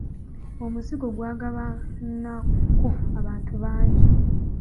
Omuzigo gw'agabanwako abantu bangi.